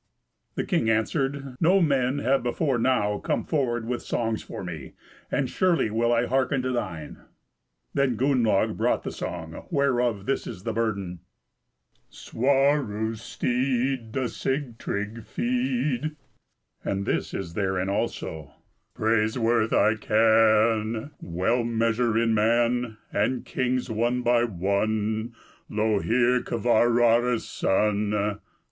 The king answered, "No men have before now come forward with songs for me, and surely will I hearken to thine." Then Gunnlaug brought the song, whereof this is the burden, "Swaru's steed Doth Sigtrygg feed." And this is therein also: "Praise worth I can Well measure in man, And kings, one by one Lo here, Kvararis son!